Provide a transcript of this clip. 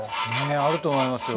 あると思いますよ。